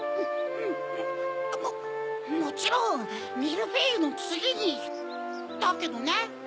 もちろんミルフィーユのつぎにだけどね。